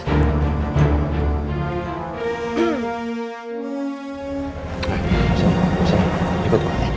eh masalah masalah ikut gue